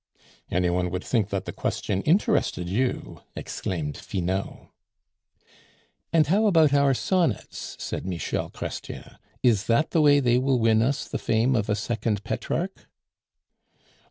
"Any one would think that the question interested you," exclaimed Finot. "And how about our sonnets," said Michel Chrestien; "is that the way they will win us the fame of a second Petrarch?"